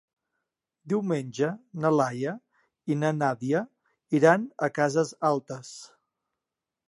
Diumenge na Laia i na Nàdia iran a Cases Altes.